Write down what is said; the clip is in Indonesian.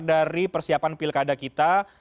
dari persiapan pilkada kita